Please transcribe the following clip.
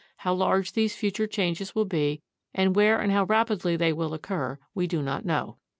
How large these future changes will be, and where and how rapidly they will occur, we do not know.